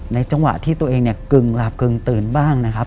จังหวะที่ตัวเองเนี่ยกึ่งหลับกึ่งตื่นบ้างนะครับ